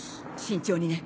慎重にね。